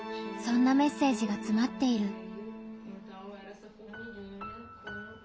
そんなメッセージがつまっている。